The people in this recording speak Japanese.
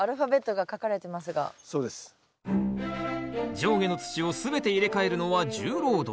上下の土を全て入れ替えるのは重労働。